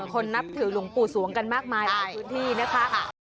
คนนับถือหลวงปู่สวงกันมากมายเอาคืนที่นะครับ